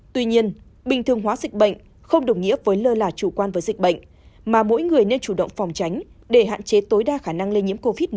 tuy nhiên bình thường hóa dịch bệnh không đồng nghĩa với lơ là chủ quan với dịch bệnh mà mỗi người nên chủ động phòng tránh để hạn chế tối đa khả năng lây nhiễm covid một mươi chín